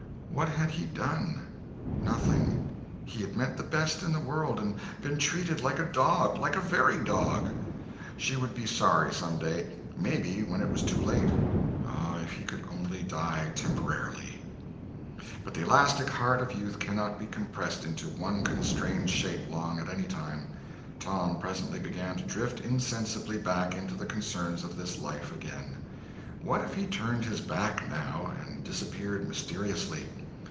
What had he done? Nothing. He had meant the best in the world, and been treated like a dog—like a very dog. She would be sorry some day—maybe when it was too late. Ah, if he could only die temporarily! But the elastic heart of youth cannot be compressed into one constrained shape long at a time. Tom presently began to drift insensibly back into the concerns of this life again. What if he turned his back, now, and disappeared mysteriously?